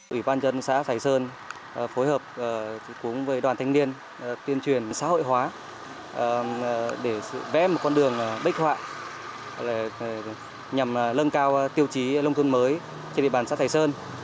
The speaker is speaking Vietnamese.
ủy ban dân xã sài sơn phối hợp cùng với đoàn thanh niên tuyên truyền xã hội hóa để vẽ một con đường bích hòa nhằm lân cao tiêu chí lông thương mới trên địa bàn xã sài sơn